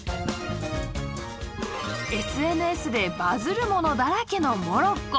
ＳＮＳでバズるものだらけのモロッコ。